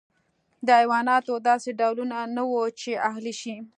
د حیواناتو داسې ډولونه نه وو چې اهلي شي.